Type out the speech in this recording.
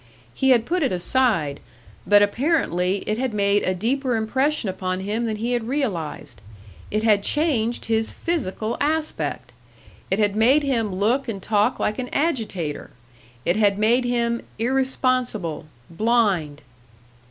He had put it aside; but apparently it had made a deeper impression upon him than he had realised. It had changed his physical aspect! It had made him look and talk like an agitator! It had made him "irresponsible," "blind!"